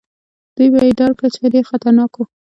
دوی به يې ډار کړل، چې ډېر خطرناک وو.